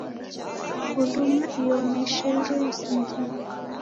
Nguluma iomeshero yasingie